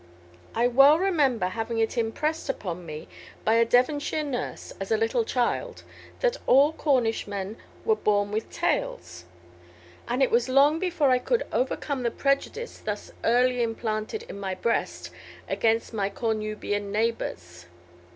I well remember having it impressed upon me by a Devonshire nurse, as a little child, that all Cornishmen were born with tails; and it was long before I could overcome the prejudice thus early implanted in my breast against my Cornubian neighbors.